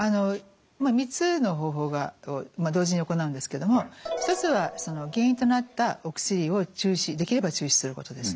３つの方法がまあ同時に行うんですけども一つは原因となったお薬をできれば中止することですね。